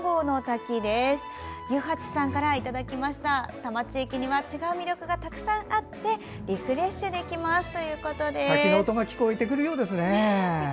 多摩地域には違う魅力がたくさんあってリフレッシュできますということです。